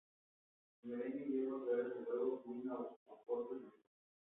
El merengue lleva claras de huevo, vino oporto y azúcar.